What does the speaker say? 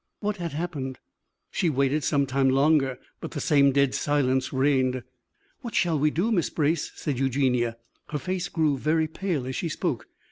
What had happened? She waited some time longer, but the same dead silence reigned. "What shall we do, Miss Brace?" asked Eugenie. Her face grew very pale as she spoke.